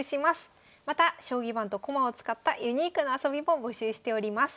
また「将棋盤と駒を使ったユニークな遊び」も募集しております。